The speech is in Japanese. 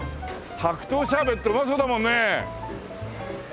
白桃シャーベットうまそうだもんね。